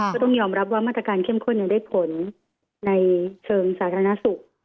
ก็ต้องยอมรับว่ามาตรการเข้มข้นได้ผลในเชิงสาธารณสุข